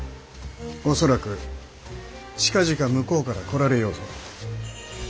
恐らく近々向こうから来られようぞ。